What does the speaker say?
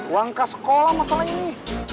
wangka sekolah masalah ini